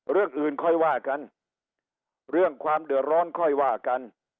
เรื่องอื่นค่อยว่ากันเรื่องความเดือดร้อนค่อยว่ากัน